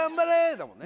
だもんね